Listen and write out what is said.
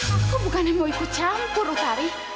aku bukan yang mau ikut campur ustari